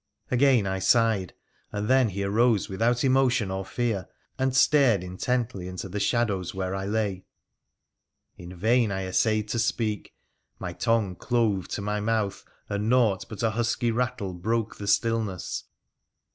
Again I sighed, and then he arose without emotion or fear, and stared intently into the shadows where I lay. In vain I essayed to speak — my tongue clove to my mouth, and naught but a husky rattle broke the stillness.